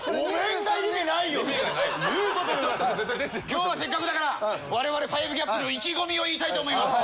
今日はせっかくだから我々５ＧＡＰの意気込みを言いたいと思います。